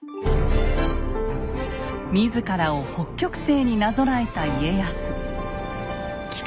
自らを北極星になぞらえた家康。